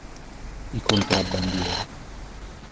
I contrabbandieri.